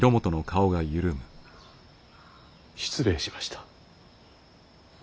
失礼しました。